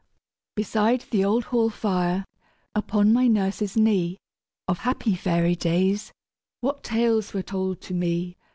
Beside the old hall fire upon my nurse's knee, Of happy fairy days what tales were told to me!